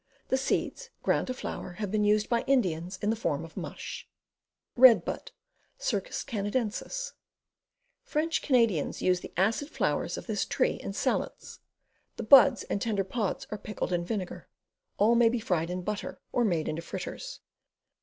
The seeds, ground to flour, have been used by Indians in the form of mush. Red Bud. Ceroid Canadensis. French Canadians use the acid flowers of this tree in salads. The buds and tender pods are pickled in vinegar. All may be fried in butter, or made into fritters.